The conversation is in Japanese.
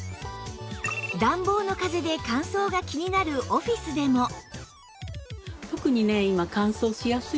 暖房の風で乾燥が気になるオフィスでも